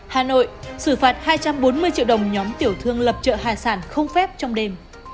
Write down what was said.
hà nội xử phạt hai trăm bốn mươi triệu đồng nhóm tiểu thương lập chợ hải sản không phép trong đêm